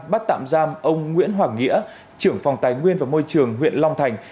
bắt tạm giam ông nguyễn hoàng nghĩa trưởng phòng tài nguyên và môi trường huyện long thành